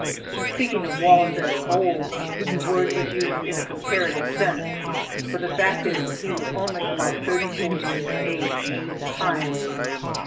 (In speaking of Wallace as "old," the word is used in a comparative sense, for the fact is he was only about thirty four years of age at this time.)